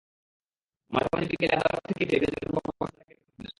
মাঝে মাঝে বিকেলে আদালত থেকে ফিরে ফিরোজের বাবা সুজাতাকে ডেকে পাঠাতেন।